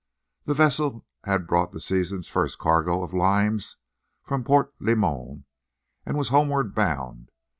The vessel had brought the season's first cargo of limes from Port Limon, and was homeward bound.